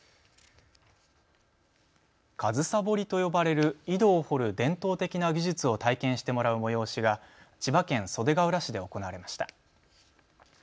上総掘りと呼ばれる井戸を掘る伝統的な技術を体験してもらう催しが千葉県袖ケ浦市で行われました。